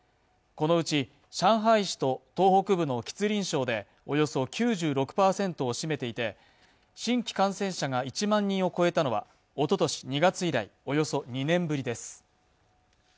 このうち上海市と東北部の吉林省でおよそ９６％を占めていて、新規感染者が１万人を超えたのはおととし２月以来、およそ２年ぶりです。